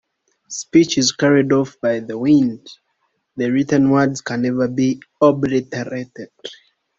Speech is carried off by the wind; the written word can never be obliterated.